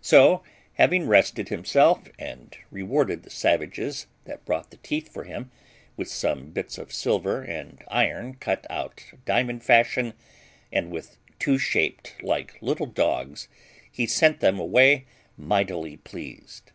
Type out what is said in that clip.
So, having rested himself and rewarded the savages that brought the teeth for him with some bits of silver and iron cut out diamond fashion, and with two shaped like little dogs, he sent them away mightily pleased.